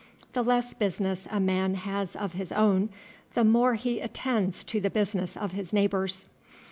The less business a man has of his own, the more he attends to the business of his neighbors.